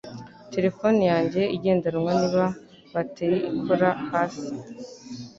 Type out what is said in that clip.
Terefone yanjye igendanwa niba bateri ikora hasi